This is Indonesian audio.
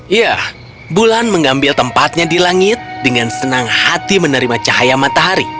iya bulan mengambil tempatnya di langit dengan senang hati menerima cahaya matahari